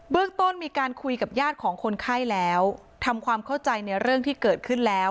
เรื่องต้นมีการคุยกับญาติของคนไข้แล้วทำความเข้าใจในเรื่องที่เกิดขึ้นแล้ว